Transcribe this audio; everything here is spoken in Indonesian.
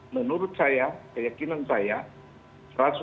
menurut saya keyakinan saya seratus kecelakaan listrik